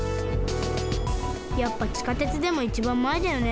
やっぱ地下鉄でもいちばんまえだよね。